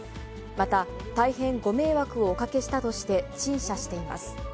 また、大変ご迷惑をおかけしたとして陳謝しています。